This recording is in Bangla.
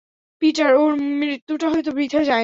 পিটার, ওর মৃত্যুটা হয়তো বৃথা যায়নি।